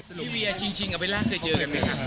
พี่เวียชิงกับเบลล่าเคยเจอกันไหมคะ